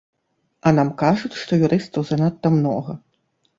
А нам кажуць, што юрыстаў занадта многа!